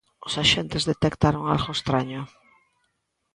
Os axentes detectaron algo estraño.